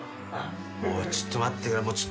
おいちょっと待ってくれ。